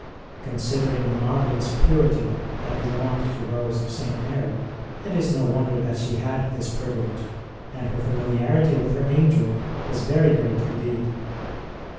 Considering the marvellous purity that belonged to Rose of St. Mary, it is no wonder that she had this privilege ; and her familiarity with her angel was very great indeed.